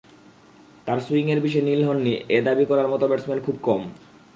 তাঁর সুইংয়ের বিষে নীল হননি—এ দাবি করার মতো ব্যাটসম্যান খুব কম।